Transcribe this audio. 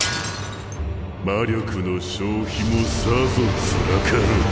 魔力の消費もさぞつらかろう。